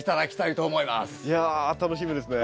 いや楽しみですね。